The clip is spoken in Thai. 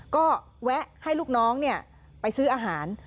ก็แวะให้ลูกน้องไปซื้ออาหาร